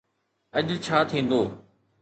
اڄ ڇا ٿيندو؟